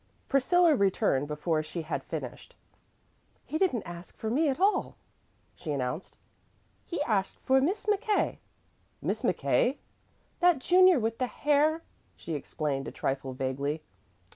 Priscilla returned before she had finished. "He didn't ask for me at all," she announced. "He asked for Miss McKay." "Miss McKay?" "That junior with the hair," she explained a trifle vaguely.